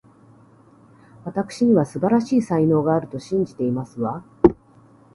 わたくしには、素晴らしい才能があると信じていますわ